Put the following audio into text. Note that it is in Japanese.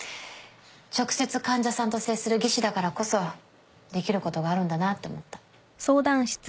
直接患者さんと接する技師だからこそできることがあるんだなって思った。